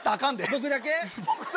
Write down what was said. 僕だけ。